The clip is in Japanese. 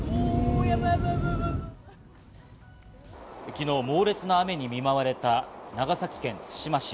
昨日、猛烈な雨に見舞われた長崎県対馬市。